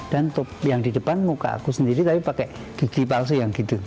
dan topeng yang di depan muka aku sendiri tapi pakai gigi palsu yang gitu